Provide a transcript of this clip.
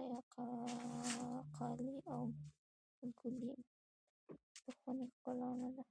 آیا قالي او ګلیم د خونې ښکلا نه ده؟